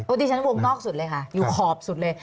ดิฉันวงนอกสุดเลยค่ะอยู่ขอบสุดเลย